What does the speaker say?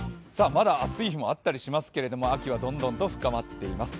まだ暑い日もあったりしますけど、秋はどんどんと深まっています。